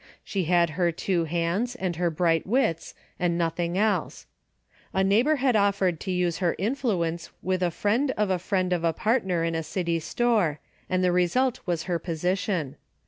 She had her two hands and her bright wits and nothing else. A neighbor had offered to use her influence with a friend of a friend of a partner in a city store, and the result was her position.